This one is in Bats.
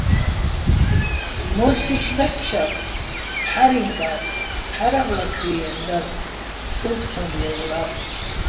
მო́სსიჩო̆ დაშაღ "ფჰ̦არიჼკაწ, ფჰ̦არავლაქვიენო̆" დარ, სოუბო̆ ცო́მ ლე́ვლა́რ.